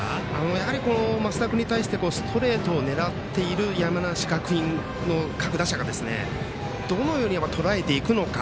やはり升田君に対してストレートを狙っている山梨学院の各打者がどのようにとらえていくのか。